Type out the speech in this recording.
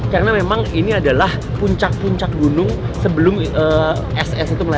karena memang ini adalah puncak puncak gunung sebelum es es itu meleleh